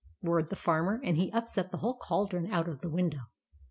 " roared the Farmer ; and he upset the whole cauldron out of the window.